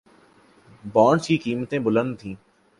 bonds کی قیمتیں بلند تھیں